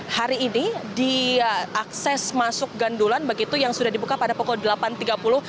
apakah ini diakses masuk gandulan begitu yang sudah dibuka pada pukul delapan tiga puluh